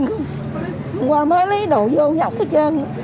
hôm qua mới lấy đồ vô nhọc hết trơn